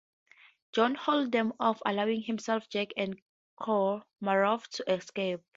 John holds them off, allowing himself, Jack and Komarov to escape.